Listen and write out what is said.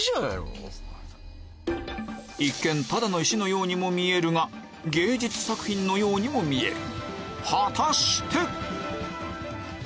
一見ただの石のようにも見えるが芸術作品のようにも見える果たして⁉